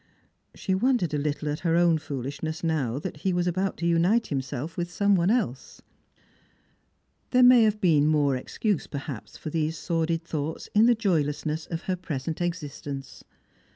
She wondered a little at her own foolishness now that he was about to unite himself with some one else. There may have been more excuse, perhaps, for these sordid 246 Strangers and TiJgrim$. thoughts in the joylessness of her present existence.